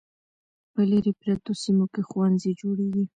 په لیرې پرتو سیمو کې ښوونځي جوړیږي.